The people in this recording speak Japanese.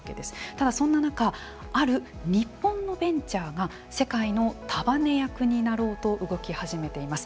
ただそんな中ある日本のベンチャーが世界の束ね役になろうと動き始めています。